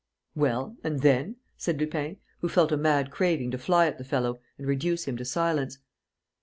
_" "Well? And then?" said Lupin, who felt a mad craving to fly at the fellow and reduce him to silence.